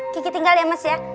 kiki tinggal ya mas ya